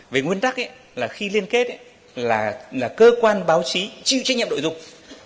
về nguyên tắc là khi liên kết là cơ quan báo chí chịu trách nhiệm nội dung